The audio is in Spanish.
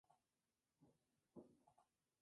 Habita en Sumatra, Península de Malaca y Borneo.